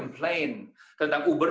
siapa yang ingin membunuh uber